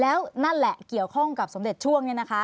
แล้วนั่นแหละเกี่ยวข้องกับสมเด็จช่วงนี้นะคะ